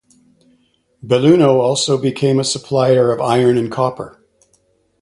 Belluno also became a supplier of iron and copper.